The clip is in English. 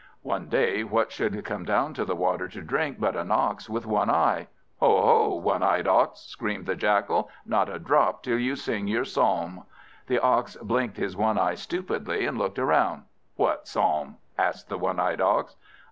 One day, what should come down to the water to drink but an Ox with one eye. "Ho! ho! one eyed Ox!" screamed the Jackal, "not a drop till you sing your psalm." The Ox blinked his one eye stupidly, and looked round. "What psalm?" asked the one eyed Ox.